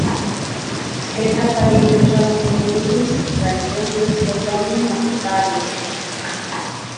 Später verlegte Jonathan Williams seinen Wohnsitz von London nach Italien.